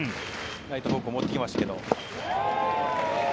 ライト方向に持っていきましたけど。